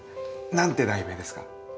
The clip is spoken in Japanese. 何て題名ですか？